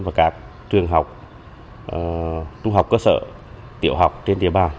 và các trường học trung học cơ sở tiểu học trên địa bàn